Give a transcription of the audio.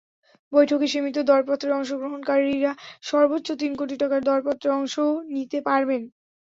বৈঠকে সীমিত দরপত্রের অংশগ্রহণকারীরা সর্বোচ্চ তিন কোটি টাকার দরপত্রে অংশ নিতে পারবেন।